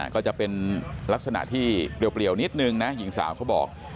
ก็จะเป็นลักษณะที่เปรียวนิดนึงนะหญิงสาวเขาบอก